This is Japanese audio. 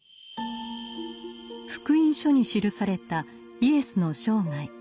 「福音書」に記されたイエスの生涯。